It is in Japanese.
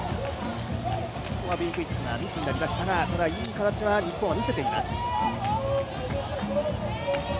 Ｂクイックがミスになりましたがいい形、日本は見せています。